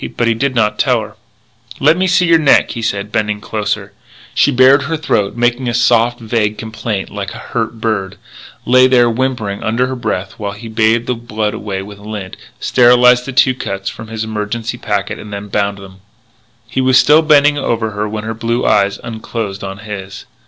But he did not tell her. "Let me see your neck," he said, bending closer. She bared her throat, making a soft, vague complaint like a hurt bird, lay there whimpering under her breath while he bathed the blood away with lint, sterilised the two cuts from his emergency packet, and bound them. He was still bending low over her when her blue eyes unclosed on his.